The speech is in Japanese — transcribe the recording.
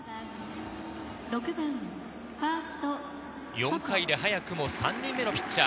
４回で早くも３人目のピッチャー。